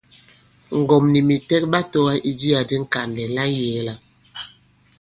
Ŋgɔ̀m nì mìtɛk ɓa tōŋa i jiā di Ŋkànlɛ̀ la ŋyēe-la.